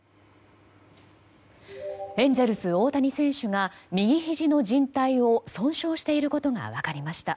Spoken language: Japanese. エンゼルス、大谷選手が右ひじのじん帯を損傷していることが分かりました。